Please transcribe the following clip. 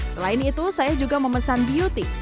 selain itu saya juga memesan beauty